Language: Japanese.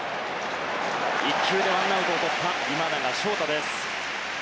１球で１アウトを取った今永昇太です。